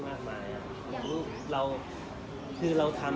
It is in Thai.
หยานลักษณะใจแบบนี้นะครอบครอบครัว